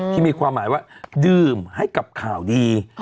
ที่มีความหมายว่าดื่มให้กับข่าวดี